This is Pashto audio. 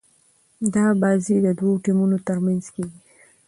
دا بازي د دوه ټيمونو تر منځ کیږي.